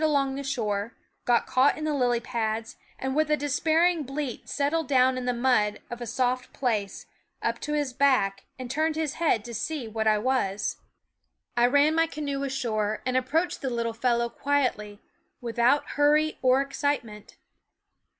y along the shore, got caught in the lily pads, and with a despairing bleat settled down in the mud of a soft place, up to his back, and turned his head to see what I was. I ran my canoe ashore and approached the little fellow quietly, without hurry or ex citement.